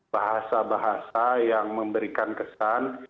bahasa bahasa yang memberikan kesan